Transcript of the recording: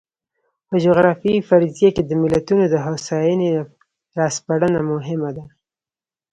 په جغرافیوي فرضیه کې د ملتونو د هوساینې را سپړنه مهمه ده.